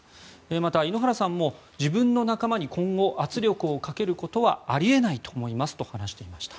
また井ノ原さんも、自分の仲間に今後圧力をかけることはあり得ないと思いますと話していました。